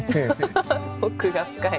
奥が深い。